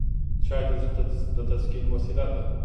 چای د زړه د تسکین وسیله ده